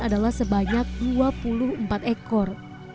adalah sebanyak dua puluh empat ekor